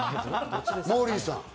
モーリーさん。